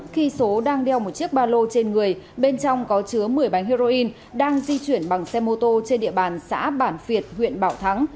khi số đang đeo một chiếc ba lô trên người bên trong có chứa một mươi bánh heroin đang di chuyển bằng xe mô tô trên địa bàn xã bản việt huyện bảo thắng